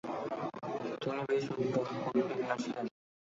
তিনি বেশ উদ্বিগ্ন ছিলেন।